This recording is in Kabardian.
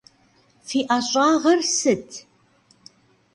Fi 'eş'ağer sıt?